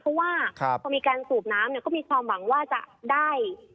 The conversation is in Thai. เพราะว่าพอมีการสูบน้ำเนี่ยก็มีความหวังว่าจะได้